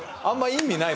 意味ない。